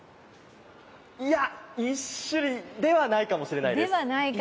いや１種類ではないかもしれない。